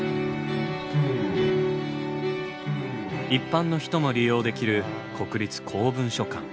一般の人も利用できる国立公文書館。